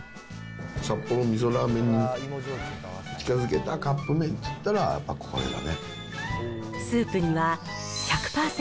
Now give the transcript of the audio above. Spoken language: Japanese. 札幌味噌ラーメンに近づけたカップ麺っていったらやっぱこれスープには、１００％